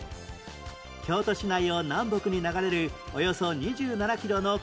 京都市内を南北に流れるおよそ２７キロの川の名前は？